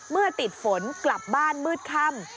เมื่อติดฝนกลับบ้านมืดค่ำ